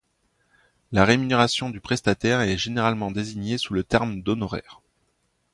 La rémunération du prestataire est généralement désignée sous le terme d'honoraires.